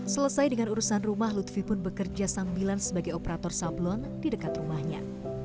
selesai dengan urusan rumah lutfi pun bekerja sambilan sebagai operator sablon di dekat rumahnya